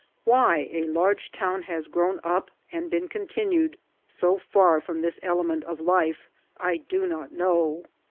Why a large town has grown up and been continued so far from this element of life, I do not know.